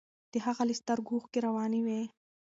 د هغه له سترګو اوښکې روانې وې.